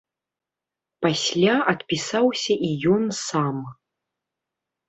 Пасля адпісаўся і ён сам.